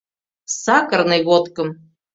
Сакырный водкым.